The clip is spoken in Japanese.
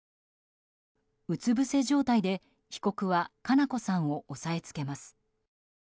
うつ伏せ状態で被告は佳菜子さんを押さえつけます。